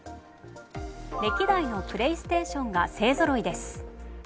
歴代のプレイステーションが勢ぞろいです。